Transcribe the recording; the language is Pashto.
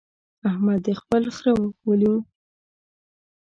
احمد دې خپل خره ولي.